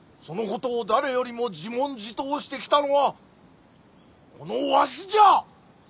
そのことを誰よりも自問自答してきたのはこのわしじゃ！